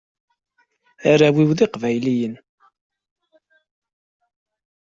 Arraw-iw d iqbayliyen.